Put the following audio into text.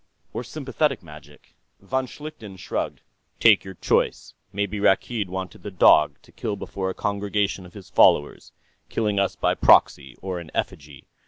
"Or sympathetic magic?" Von Schlichten shrugged. "Take your choice. Maybe Rakkeed wanted the dog, to kill before a congregation of his followers, killing us by proxy, or in effigy.